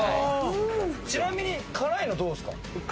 ちなみに辛いのどうですか？